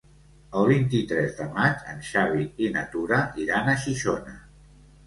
El vint-i-tres de maig en Xavi i na Tura iran a Xixona.